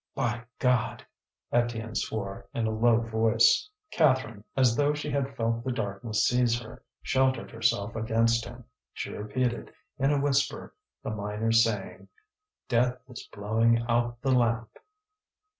"By God!" Étienne swore, in a low voice. Catherine, as though she had felt the darkness seize her, sheltered herself against him. She repeated, in a whisper, the miner's saying: "Death is blowing out the lamp."